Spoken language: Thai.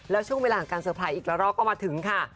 และช่วงเวลาของระดับเซอร์ไพรส์อีกแล้วรอก็มาถึงค่ะ